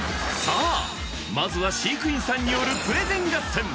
さあまずは飼育員さんによるプレゼン合戦！